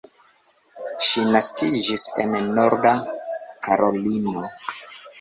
Ŝi naskiĝis en Norda Karolino.